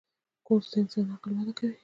کورس د انساني عقل وده ده.